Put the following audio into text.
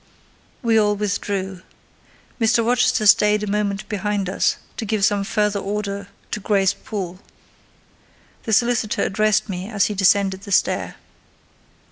We all withdrew. Mr. Rochester stayed a moment behind us, to give some further order to Grace Poole. The solicitor addressed me as he descended the stair.